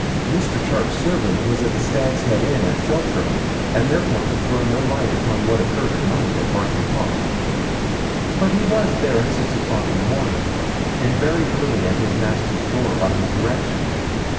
Mr. Charke's servant was at the Stag's Head Inn at Feltram, and therefore could throw no light upon what occurred at night at Bartram Haugh; but he was there at six o'clock in the morning, and very early at his master's door by his direction.